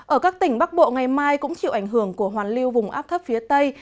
ở các tỉnh bắc bộ ngày mai cũng chịu ảnh hưởng của hoàn lưu vùng áp thấp phía tây